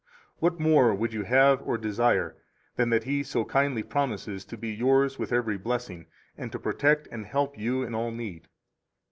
What more would you have or desire than that He so kindly promises to be yours with every blessing, and to protect and help you in all need?